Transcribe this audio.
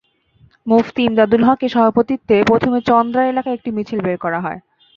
মুফতি ইমদাদুল হকের সভাপতিত্বে প্রথমে চন্দ্রা এলাকায় একটি মিছিল বের করা হয়।